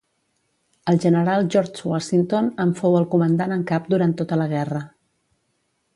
El general George Washington en fou el comandant en cap durant tota la guerra.